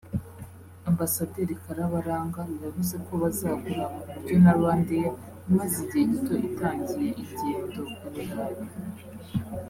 Ambasaderi Karabaranga yavuze ko bazagura ku buryo na RwandAir imaze igihe gito itangiye ingendo i Burayi